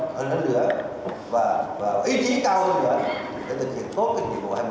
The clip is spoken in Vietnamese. chứng nhận hành động hơn nữa và ý chí cao hơn nữa để thực hiện tốt tình trạng của năm hai nghìn một mươi bảy